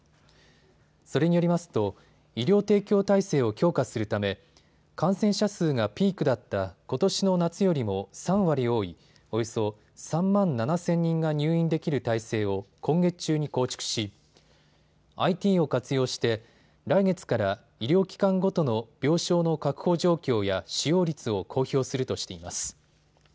それによりますと医療提供体制を強化するため感染者数がピークだったことしの夏よりも３割多いおよそ３万７０００人が入院できる体制を今月中に構築しＩＴを活用して来月から医療機関ごとの病床の確保状況や使用率を公表するとしています。